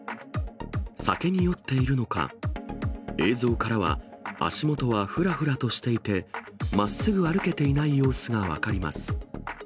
酒に酔っているのか、映像からは足元はふらふらとしていて、まっすぐ歩けていない様子が分かります。